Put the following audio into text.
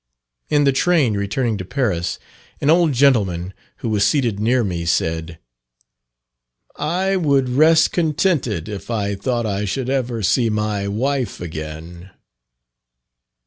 In the train returning to Paris, an old gentleman who was seated near me said, "I would rest contented if I thought I should ever see my wife again!"